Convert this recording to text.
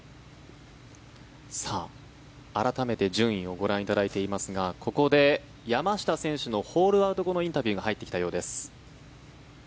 改めて順位をご覧いただいていますがここで山下選手のホールアウト後のインタビューが入ってきたようです。